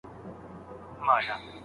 څوک چي دوې لوڼي تر بلوغه وروزي.